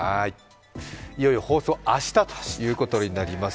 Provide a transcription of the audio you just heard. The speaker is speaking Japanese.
いよいよ放送明日ということになります。